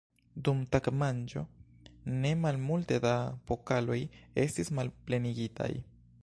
Dum tagmanĝo ne malmulte da pokaloj estis malplenigitaj!